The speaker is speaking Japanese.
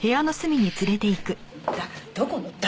だからどこの誰？